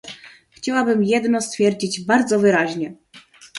Chciałabym jedno stwierdzić bardzo wyraźnie